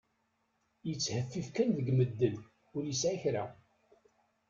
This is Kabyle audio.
Yettheffif kan deg medden, ur yesɛi kra.